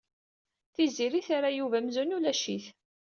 Tiziri terra Yuba amzun ulac-it.